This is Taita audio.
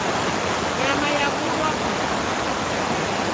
Nyama yawurwa.